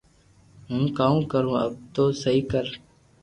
ھون ڪاوُ ڪارو اپ تو سھي ڪر